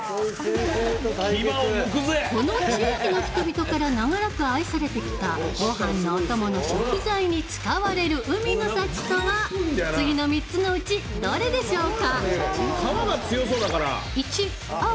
この地域の人々から長らく愛されてきたごはんのお供の食材に使われる海の幸とは次の３つのうち、どれでしょうか。